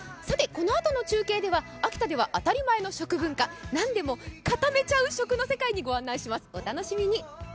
さて、このあとの中継では、秋田では当たり前の食文化、何でも固めちゃう食の世界に御案内します。